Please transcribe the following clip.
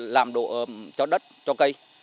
làm độ ấm cho đất cho cây